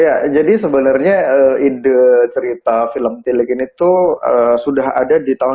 ya jadi sebenarnya ide cerita film tilik ini tuh sudah ada di tahun dua ribu